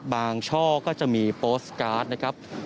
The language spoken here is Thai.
ช่อก็จะมีโปสการ์ดนะครับ